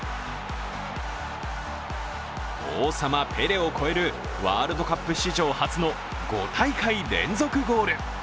王様ペレを超えるワールドカップ史上初の５大会連続ゴール。